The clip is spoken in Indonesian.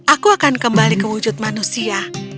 aku akan kembali kewujud manusia